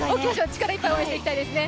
力いっぱい応援していきたいですね。